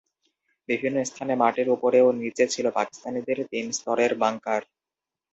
বিভিন্ন স্থানে মাটির ওপরে ও নিচে ছিল পাকিস্তানিদের তিন স্তরের বাংকার।